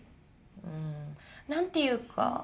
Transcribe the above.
うーん何ていうか。